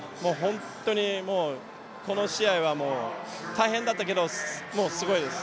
本当にこの試合は大変だったけどもう、すごいです。